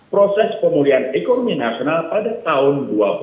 proses pemulihan ekonomi nasional pada tahun dua ribu dua